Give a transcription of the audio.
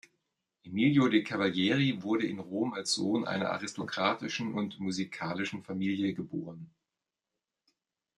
Emilio de’ Cavalieri wurde in Rom als Sohn einer aristokratischen und musikalischen Familie geboren.